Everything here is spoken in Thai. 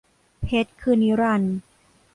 เพชรคือนิรันดร์